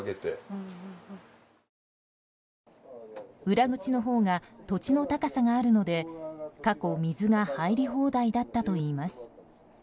裏口のほうが土地の高さがあるので過去、水が入り放題だったといいます。